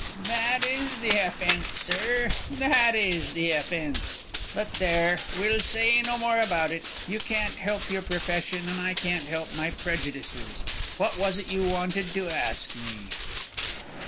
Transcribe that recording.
"That is the offence, sir; that is the offence! But, there, we'll say no more about it; you can't help your profession, and I can't help my prejudices. What was it you wanted to ask me?"